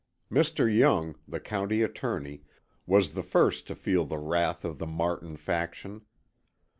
Mr. Young, the county attorney, was the first to feel the wrath of the Martin faction.